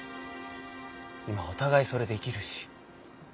今お互いそれできるし。